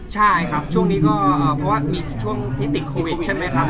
ใช่ครับช่วงนี้ก็เพราะว่ามีช่วงที่ติดโควิดใช่ไหมครับ